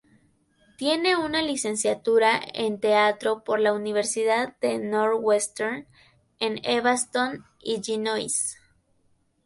Tiene una licenciatura en teatro por la Universidad de Northwestern en Evanston, Illinois.